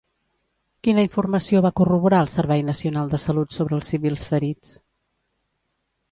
Quina informació va corroborar el Servei Nacional de Salut sobre els civils ferits?